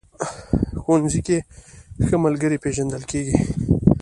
ښوونځی کې ښه ملګري پېژندل کېږي